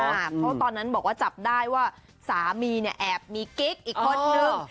เพราะตอนนั้นบอกว่าจับได้ว่าสามีเนี่ยแอบมีกิ๊กอีกคนนึง